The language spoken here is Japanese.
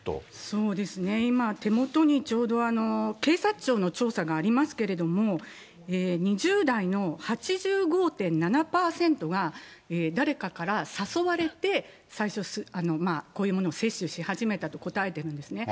そうですね、今、手元にちょうど警察庁の調査がありますけれども、２０代の８５．７％が、誰かから誘われて最初、こういうものをせっしゅし始めたと答えてるんですね。